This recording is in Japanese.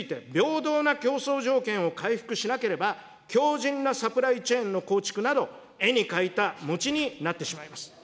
こうした点について、平等な競争条件を回復しなければ、強じんなサプライチェーンの構築など、絵に描いた餅になってしまいます。